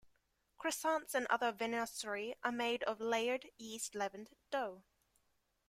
Croissants and other viennoiserie are made of a layered yeast-leavened dough.